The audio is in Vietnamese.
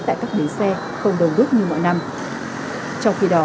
tài nạn cũng không